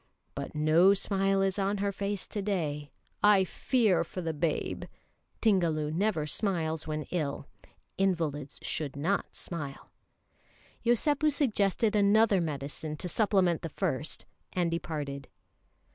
"But no smile is on her face to day; I fear for the babe." (Tingalu never smiles when ill. Invalids should not smile.) Yosépu suggested another medicine to supplement the first, and departed.